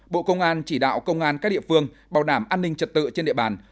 bộ công an chỉ đạo công an các địa phương bảo đảm an ninh trật tự trên địa bàn